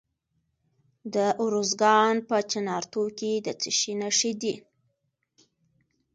د ارزګان په چنارتو کې د څه شي نښې دي؟